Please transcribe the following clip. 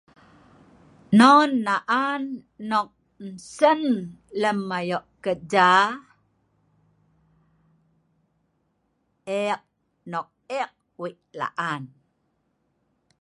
Non naan nok ensen lem ayo keja. ek nok ek wei' la'an.